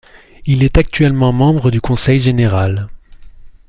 Il est actuellement membre du conseil general.